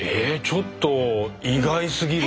ちょっと意外すぎる。